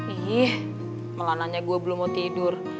ih malah nanya gue belum mau tidur